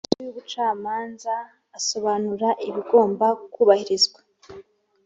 inama nkuru y ubucamanza asobanura ibigomba kubahirizwa